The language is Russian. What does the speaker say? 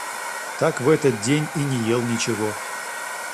Так в этот день и не ел ничего.